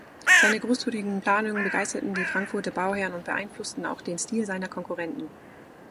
Seine großzügigen Planungen begeisterten die Frankfurter Bauherren und beeinflussten auch den Stil seiner Konkurrenten.